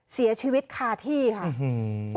เสียชีวิตคาที่ค่ะ